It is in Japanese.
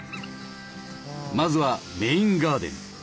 まずはメインガーデン。